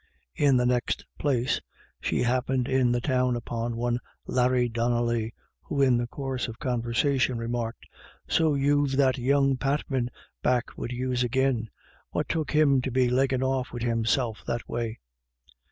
In the next place, she hap pened in the town upon one Larry Donnelly, who in the course of conversation remarked :" So you've that young Patman back wid yous agin. What took him to be leggin' off wid himself that way